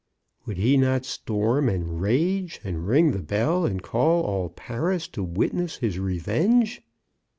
Would he not storm and rage, and ring the bell, and call all Paris to witness his revenge?